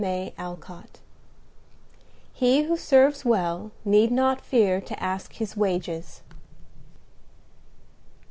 MY RED CAP "He who serves well need not fear to ask his wages."